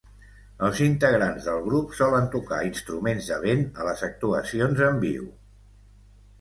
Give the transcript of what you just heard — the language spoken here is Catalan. Els integrants del grup solen tocar instruments de vent a les actuacions en viu.